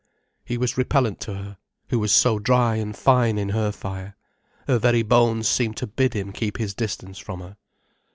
He was repellent to her, who was so dry and fine in her fire. Her very bones seemed to bid him keep his distance from her.